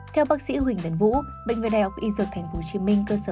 theo bác sĩ huỳnh đấn vũ bệnh viện đại học y dược tp hcm cơ sở ba